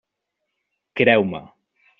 Creu-me.